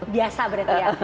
biasa berarti ya